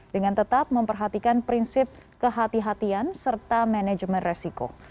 dengan tetap memperhatikan prinsip kehati hatian serta manajemen resiko